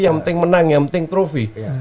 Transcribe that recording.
yang penting menang yang penting trofi